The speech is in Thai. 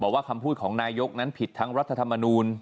อยากทุกคนมีแม่น้อยที่ได้สมบัตินะครับ